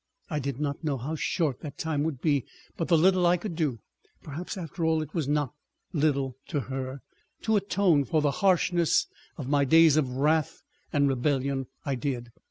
I did not know how short that time would be, but the little I could do—perhaps after all it was not little to her—to atone for the harshness of my days of wrath and rebellion, I did.